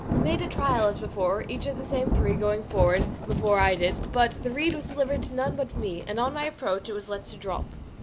We made trial as before, each of the same three going forward before I did; but the reed was delivered to none but me, and on my approach it was let drop.